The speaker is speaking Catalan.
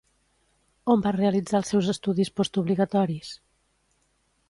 On va realitzar els seus estudis postobligatoris?